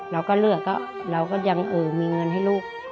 เราก็เลือกก็เราก็ยังมีเงินให้ลูก